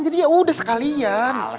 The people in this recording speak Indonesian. jadi yaudah sekalian